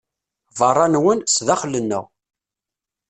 Beṛṛa nnwen, zdaxel nneɣ.